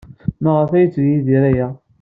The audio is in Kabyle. Maɣef ay yetteg Yidir aya?